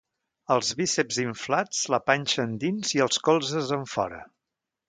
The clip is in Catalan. Els bíceps inflats, la panxa endins i els colzes enfora.